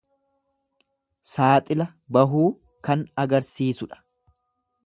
Saaxila bahuu kan agarsisudha.